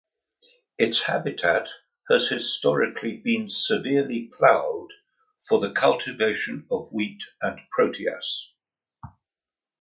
Its habitat has historically been severely ploughed for the cultivation of wheat and proteas.